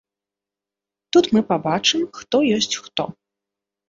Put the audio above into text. Тут мы пабачым, хто ёсць хто.